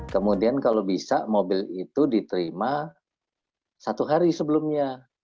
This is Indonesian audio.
kemudian kalau bisa mobil itu diterima satu hari sebelumnya